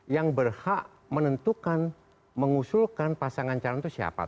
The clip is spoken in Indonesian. yang berhak menentukan mengusulkan pasangan calon itu siapa